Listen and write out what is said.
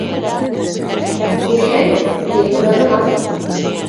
Бирһәң, билең нығымаҫ.